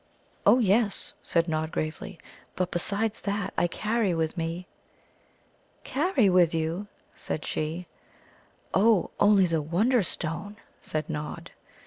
"Oh yes," said Nod gravely; "but besides that I carry with me...." "Carry with you?" said she. "Oh, only the Wonderstone," said Nod.